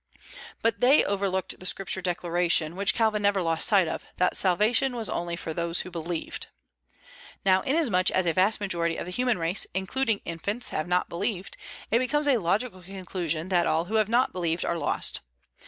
But they overlooked the Scripture declaration which Calvin never lost sight of, that salvation was only for those who believed. Now inasmuch as a vast majority of the human race, including infants, have not believed, it becomes a logical conclusion that all who have not believed are lost.